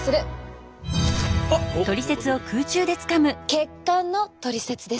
血管のトリセツです。